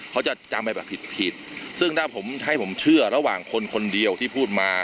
เขาจะจำไปแบบผิดผิดซึ่งถ้าผมให้ผมเชื่อระหว่างคนคนเดียวที่พูดมา